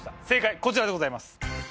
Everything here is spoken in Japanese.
正解こちらでございます。